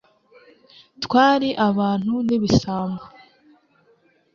Twari abantu ni ibisambo